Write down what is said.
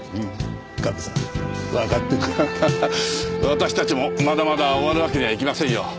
私たちもまだまだ終わるわけにはいきませんよ。